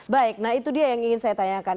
baik nah itu dia yang ingin saya tanyakan